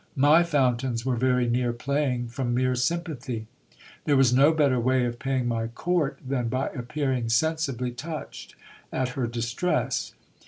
My fountains were very near playing from mere sympathy. There was no better way of paying my court thin by appearing sensibly touched at her distress.